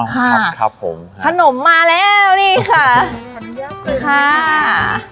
อ๋อครับครับผมขนมมาแล้วนี่ค่ะขนมยากเกินมากค่ะ